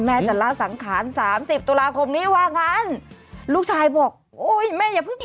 จะละสังขารสามสิบตุลาคมนี้ว่างั้นลูกชายบอกโอ้ยแม่อย่าเพิ่ง